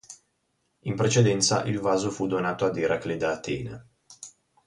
In precedenza il vaso fu donato ad Eracle da Atena.